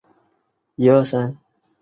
但此调查结果遭到质疑。